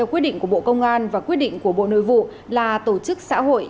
quyết định của bộ công an và quyết định của bộ nội vụ là tổ chức xã hội